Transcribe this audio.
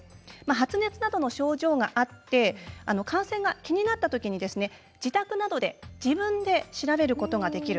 発熱などの症状があって感染が気になったときに自宅などで自分で調べることができる。